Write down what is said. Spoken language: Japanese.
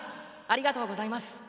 ありがとうございます。